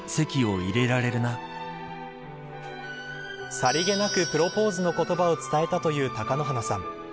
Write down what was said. さりげなくプロポーズの言葉を伝えたという貴乃花さん。